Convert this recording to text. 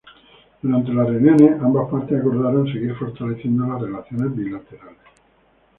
Durante las reuniones, ambas partes acordaron seguir fortaleciendo las relaciones bilaterales.